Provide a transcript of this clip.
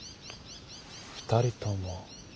２人とも。